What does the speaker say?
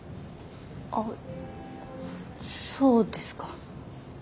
あそうですか。